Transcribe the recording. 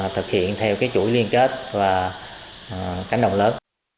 thực hiện theo chuỗi liên kết và cánh đồng lớn